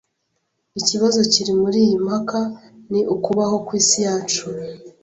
Ikibazo kiri muriyi mpaka ni ukubaho kwisi yacu.